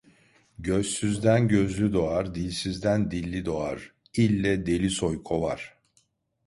Gözsüzden gözlü doğar, dilsizden dilli doğar, ille deli soy kovar.